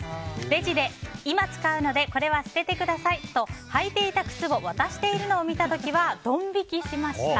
レジで今使うのでこれは捨ててくださいと履いていた靴を渡しているのを見た時はドン引きしました。